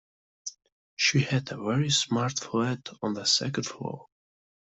She had a very smart flat on the second floor